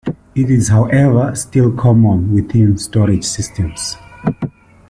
It is however still common within storage systems.